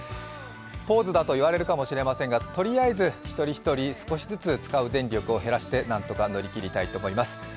ポーズだといわれるかもしれませんが、とりあえず一人一人少しずつ使う電力を減らしてなんとか乗り切りたいと思います。